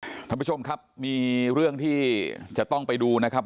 คุณผู้ชมครับมีเรื่องที่จะต้องไปดูนะครับ